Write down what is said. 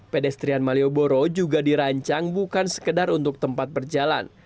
pedestrian malioboro juga dirancang bukan sekedar untuk tempat berjalan